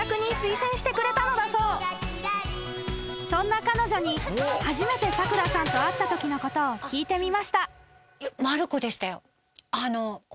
［そんな彼女に初めてさくらさんと会ったときのことを聞いてみました］